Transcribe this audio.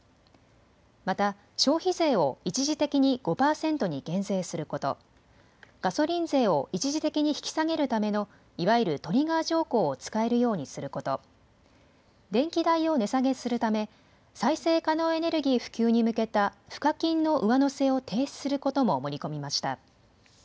また消費税を一時的に５％に減税すること、ガソリン税を一時的に引き下げるためのいわゆるトリガー条項を使えるようにすること、電気代を値下げするため再生可能エネルギー普及に向けた賦課金の上乗せを停止することも盛り込みました。